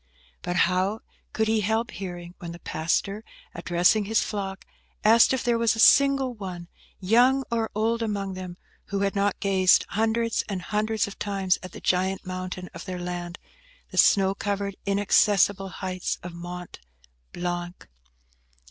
But how could he help hearing, when the pastor, addressing his flock, asked if there was a single one, young or old, among them, who had not gazed hundreds and hundreds of times at the giant mountain of their land–the snow covered, inaccessible heights of Mont Blanc?